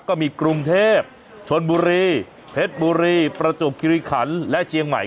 กรุงเทพชนบุรีเพชรบุรีประจวบคิริขันและเชียงใหม่